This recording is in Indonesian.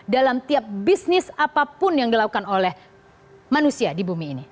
dalam tiap bisnis apapun yang dilakukan oleh manusia di bumi ini